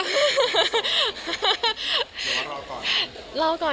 หรือว่ารอก่อน